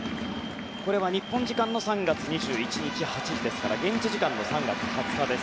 日本時間の３月２１日８時ですから現地時間の３月２０日です。